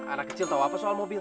anak kecil tahu apa soal mobil